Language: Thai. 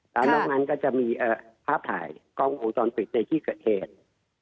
แล้วนอกนั้นก็จะมีภาพถ่ายกล้องวงจรปิดในที่เกิดเหตุ